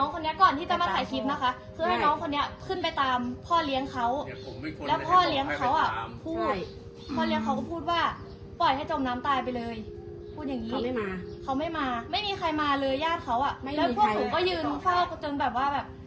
ก่อนจะติดต่อได้เค้าก็พบกันต่อแล้ว